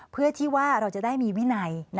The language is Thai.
เพื่อที่ว่าเราจะได้มีวินัย